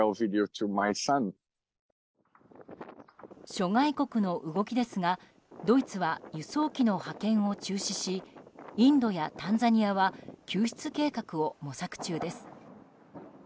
諸外国の動きですがドイツは輸送機の派遣を中止しインドやタンザニアは救出計画を模索中です。